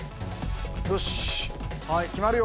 よし決まるよ